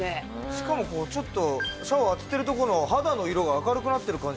しかもちょっとシャワー当ててるとこの肌の色が明るくなってる感じしますけどね。